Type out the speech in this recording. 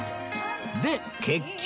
で結局